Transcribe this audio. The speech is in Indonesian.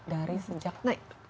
dari sejak kecil